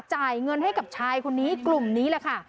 จ่ายเงินให้กับชายคนนี้กลุ่มนี้แหละค่ะ